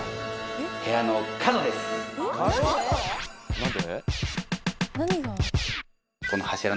何で？